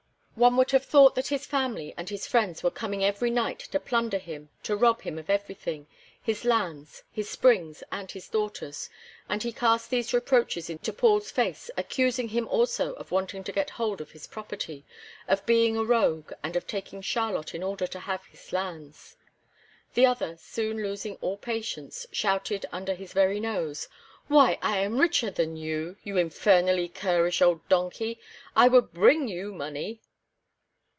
One would have thought that his family and his friends were coming every night to plunder him, to rob him of everything, his lands, his springs, and his daughters. And he cast these reproaches into Paul's face, accusing him also of wanting to get hold of his property, of being a rogue, and of taking Charlotte in order to have his lands. The other, soon losing all patience, shouted under his very nose: "Why, I am richer than you, you infernally currish old donkey. I would bring you money."